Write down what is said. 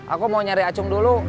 aku mau nyari acung dulu